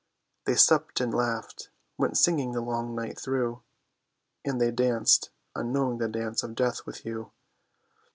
They supped and laughed, went singing the long night through, And they danced unknowing the dance of death with you.